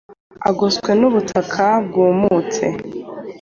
agoswe n’u butaka bwumutse